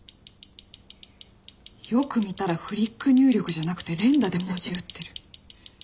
よく見たらフリック入力じゃなくて連打で文字打ってる